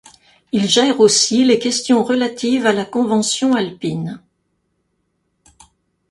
Il gère aussi les questions relatives à la convention alpine.